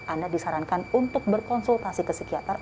anda disarankan untuk berkonsultasi ke psikiater